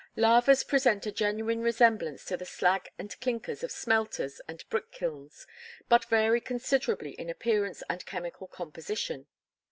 Lavas present a general resemblance to the slag and clinkers of smelters and brick kilns, but vary considerably in appearance and chemical composition.